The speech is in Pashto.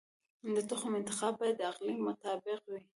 د تخم انتخاب باید د اقلیم مطابق وي.